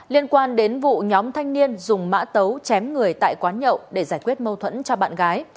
liên quan đến vụ nhóm thanh niên dùng mã tấu chém người tại quán nhậu để giải quyết mâu thuẫn cho bạn gái